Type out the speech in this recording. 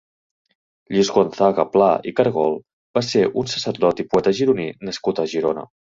Lluís Gonzaga Pla i Cargol va ser un sacerdot i poeta gironí nascut a Girona.